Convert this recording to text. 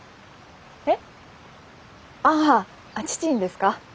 えっああ父にですか？